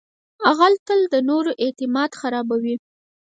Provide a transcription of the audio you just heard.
غل تل د نورو اعتماد خرابوي